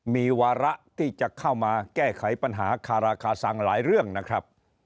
มีวาระที่จะเข้ามาแก้ไขปัญหาคาราคาซังหลายเรื่องนะครับ